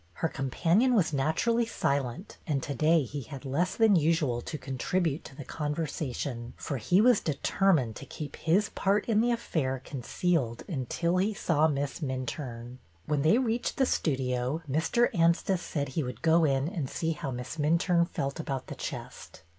Her companion was naturally silent, and to day he had less than usual to contribute to the con versation, for he was determined to keep his part in the affair concealed until he saw Miss Minturne. When they reached the studio Mr. Anstice said he would go in to see how Miss Minturne felt about the chest.